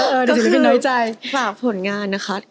ก็คือฝากผลงานนะคะ